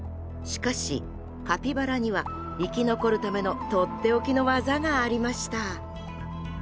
しかしカピバラには生き残るための取って置きの技がありました。